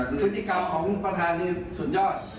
คุณผู้จิกรรมของคุณประธานีสุดยอด